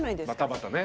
バタバタね。